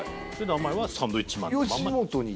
名前はサンドウィッチマンのまんまに。